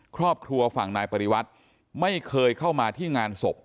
ครอบครัวฝั่งนายปริวัติไม่เคยเข้ามาที่งานศพ